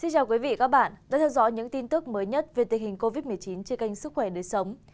chào các bạn đã theo dõi những tin tức mới nhất về tình hình covid một mươi chín trên kênh sức khỏe đời sống